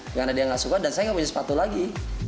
karena dia nggak suka dan saya nggak punya sepatu lagi